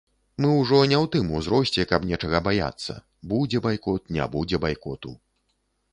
Мы ўжо не ў тым узросце, каб нечага баяцца, будзе байкот, не будзе байкоту.